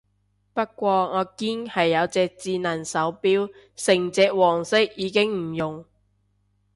不過我堅係有隻智能手錶，成隻黃色已經唔用